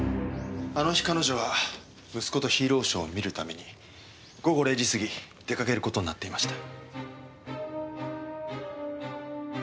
あの日彼女は息子とヒーローショーを観るために午後０時過ぎでかける事になっていました。